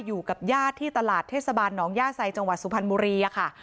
อยู่กับญาติที่ตลาดเทศบาลหนองย่าไซจังหวัดสุพรรณบุรีค่ะ